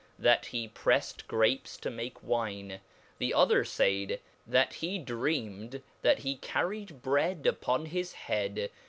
t he prcft grapes to make wine ; the other faidjthat he deanied that he car ried bread upon his hcad.